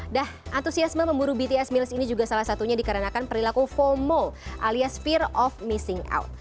dah antusiasme memburu bts mills ini juga salah satunya dikarenakan perilaku fomo alias peer of missing out